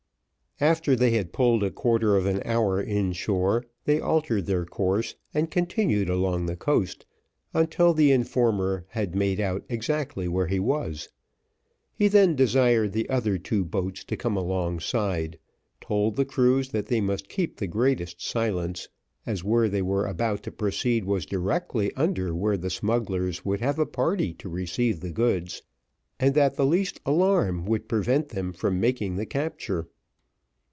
After they had pulled a quarter of an hour in shore, they altered their course, and continued along the coast until the informer had made out exactly where he was. He then desired the other two boats to come alongside, told the crews that they must keep the greatest silence, as where they were about to proceed was directly under where the smugglers would have a party to receive the goods, and that the least alarm would prevent them from making the capture.